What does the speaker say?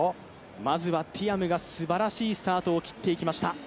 まずはティアムがすばらしいスタートを切っていきました。